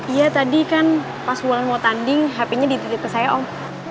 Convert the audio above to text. iya tadi kan pas wulan mau tanding hpnya dititip ke saya om